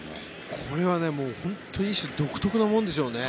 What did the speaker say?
これは本当に一種、独特なものですよね。